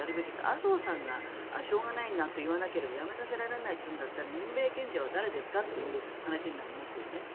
麻生さんがしょうがないと言わないと辞めさせられないとなれば任命権者は誰ですかという話になりますよね。